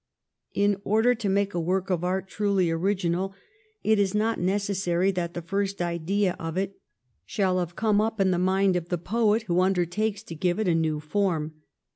In order to make a work of art truly original it is not necessary that the first idea of it shall have come up in the mind of the poet who undertakes to give it a new form.